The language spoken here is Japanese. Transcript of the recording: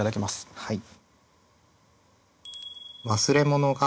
はい。